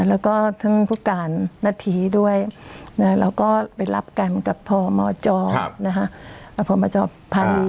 แล้วก็ทั้งภูการณ์หน้าทีด้วยเนี่ยเราก็ไปรับกันกับภอมจนะฮะ